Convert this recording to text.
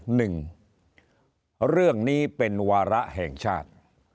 หนึ่งเรื่องนี้เป็นวาระแห่งชาติ